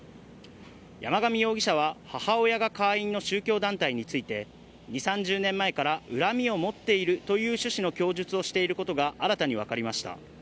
山上容疑者は母親が会員の宗教団体について２３０年前から恨みを持っているという趣旨の供述をしていることが新たに分かりました。